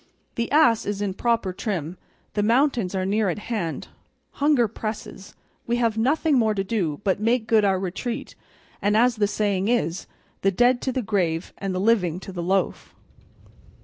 The ass is in proper trim, the mountains are near at hand, hunger presses, we have nothing more to do but make good our retreat, and, as the saying is, the dead to the grave and the living to the loaf."